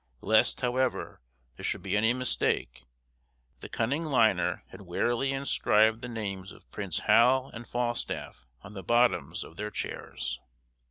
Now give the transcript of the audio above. Lest, however, there should be any mistake, the cunning limner had warily inscribed the names of Prince Hal and Falstaff on the bottoms of their chairs.